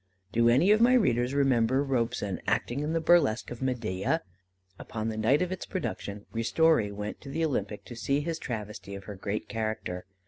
Do any of my readers remember Robson acting in the burlesque of Medea? Upon the night of its production Ristori went to the Olympic to see his travestie of her great character.